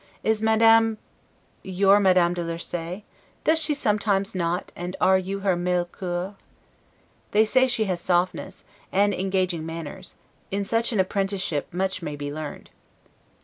Is Madame your Madame de Lursay? Does she sometimes knot, and are you her Meilcour? They say she has softness, sense, and engaging manners; in such an apprenticeship much may be learned.